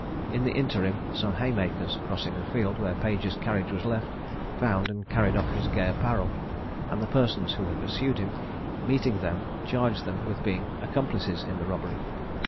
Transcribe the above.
In the interim, some haymakers crossing the field where Page's carriage was left, found and carried off his gay apparel; and the persons who had pursued him, meeting them, charged them with being accomplices in the robbery.